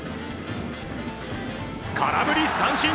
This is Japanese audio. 空振り三振！